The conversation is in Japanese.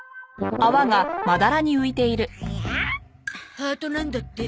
ハートなんだって。